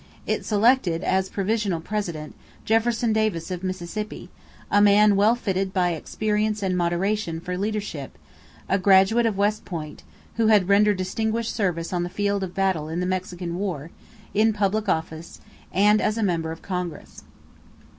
It selected, as provisional president, Jefferson Davis of Mississippi, a man well fitted by experience and moderation for leadership, a graduate of West Point, who had rendered distinguished service on the field of battle in the Mexican War, in public office, and as a member of Congress.